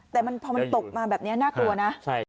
แต่พอมันตกมาแบบนี้น่ากลัวนะ